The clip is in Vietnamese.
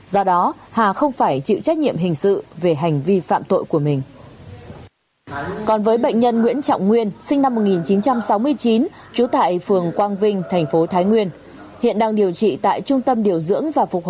do đó hà không phải là một người đối tượng mà là một người đối tượng